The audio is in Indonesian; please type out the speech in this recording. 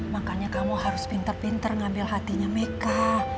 makanya kamu harus pinter pinter ngambil hatinya meka